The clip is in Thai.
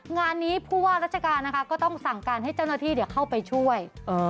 งานนี้ผู้ว่าราชการนะคะก็ต้องสั่งการให้เจ้าหน้าที่เข้าไปช่วย